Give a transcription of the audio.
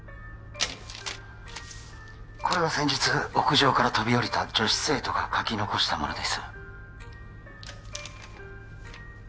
これが先日屋上から飛び降りた女子生徒が書き残したものです